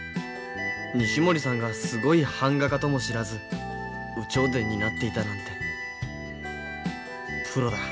西森さんがすごい版画家とも知らず有頂天になっていたなんて。